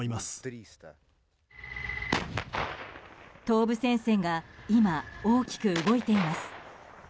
東部戦線が今大きく動いています。